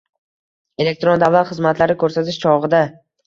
Elektron davlat xizmatlari ko‘rsatish chog‘ida